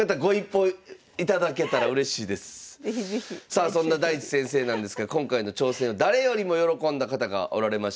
さあそんな大地先生なんですけど今回の挑戦を誰よりも喜んだ方がおられました。